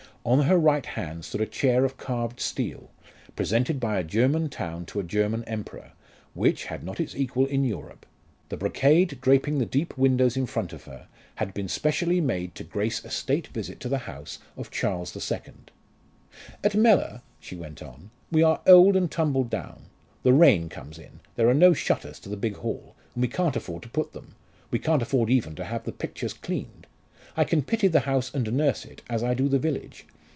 On her right hand stood a chair of carved steel, presented by a German town to a German emperor, which, had not its equal in Europe; the brocade draping the deep windows in front of her had been specially made to grace a state visit to the house of Charles II. "At Mellor," she went on, "we are old and tumble down. The rain comes in; there are no shutters to the big hall, and we can't afford to put them we can't afford even to have the pictures cleaned. I can pity the house and nurse it, as I do the village.